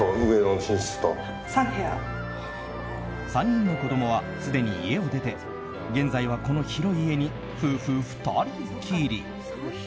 ３人の子供は、すでに家を出て現在はこの広い家に夫婦２人きり。